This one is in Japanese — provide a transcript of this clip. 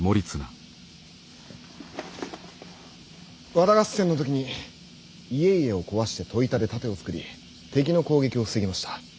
和田合戦の時に家々を壊して戸板で盾を作り敵の攻撃を防ぎました。